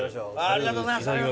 ありがとうございます。